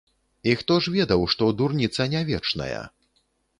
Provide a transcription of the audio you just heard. І хто ж ведаў, што дурніца не вечная?